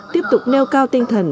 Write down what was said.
tiếp tục nêu cao tinh thần